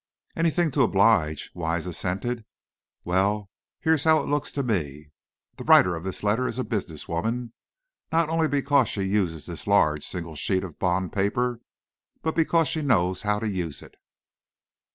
"Anything to oblige," Wise assented. "Well, here's how it looks to me. The writer of this letter is a business woman, not only because she uses this large, single sheet of bond paper, but because she knows how to use it.